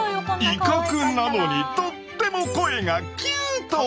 威嚇なのにとっても声がキュート！